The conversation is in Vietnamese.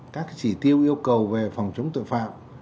các chỉ tiêu yêu cầu về phòng chống tội phạm